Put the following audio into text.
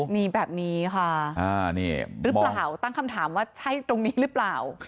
นี่แบบนี้ค่ะตั้งคำถามว่าใช่ตรงนี้หรือเปล่า